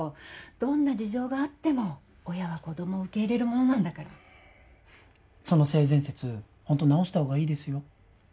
どんな事情があっても親は子供を受け入れるものなんだからその性善説ホント直した方がいいですよ